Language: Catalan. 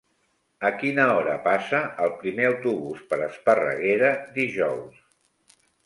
A quina hora passa el primer autobús per Esparreguera dijous?